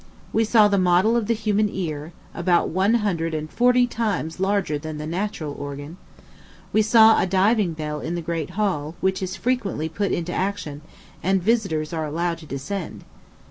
We saw the model of the human ear, about one hundred and forty times larger than the natural organ. We saw a diving bell in the great hall, which is frequently put into action, and visitors are allowed to descend.